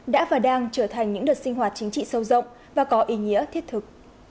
đã và đang trở thành những đợt sinh hoạt chính trị sâu rộng và có ý nghĩa thiết thực